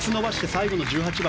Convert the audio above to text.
最後の１８番